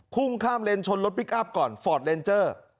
พุ่งข้ามเลนชนรถพลิกอัพก่อนฟอร์ดเลนเจอร์